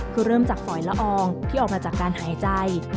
คือเริ่มจากฝอยละอองที่ออกมาจากการหายใจ